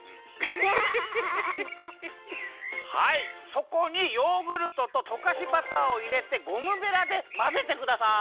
そこにヨーグルトととかしバターをいれてゴムベラでまぜてください。